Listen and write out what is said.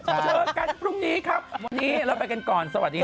เจอกันพรุ่งนี้ครับวันนี้เราไปกันก่อนสวัสดีครับ